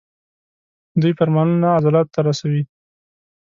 دوی فرمانونه عضلاتو ته رسوي.